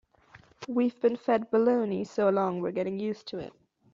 We've been fed baloney so long we're getting used to it.